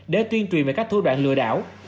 để tuyên truyền về các thủ đoạn lừa đảo